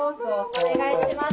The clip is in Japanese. お願いします。